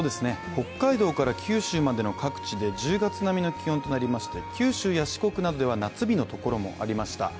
北海道から九州までの各地で１０月並みの気温となりまして九州や四国などでは夏日のところもありました